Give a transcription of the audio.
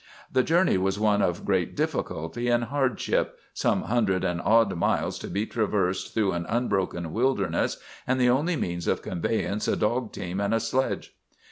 "The journey was one of great difficulty and hardship,—some hundred and odd miles to be traversed through an unbroken wilderness, and the only means of conveyance a dog team and a sledge.